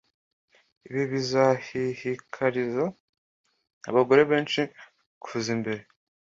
ibi bizahihikariza abagore benhi kuza imbere